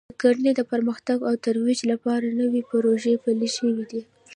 د کرنې د پرمختګ او ترویج لپاره نوې پروژې پلې شوې دي